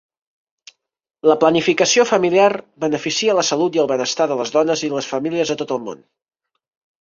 La planificació familiar beneficia la salut i el benestar de les dones i les famílies de tot el món.